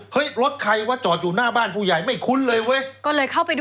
เพราะมารถไงเจ็ดคนไง